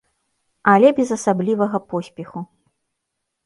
Але без асаблівага поспеху.